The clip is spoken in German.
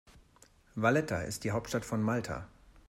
Valletta ist die Hauptstadt von Malta.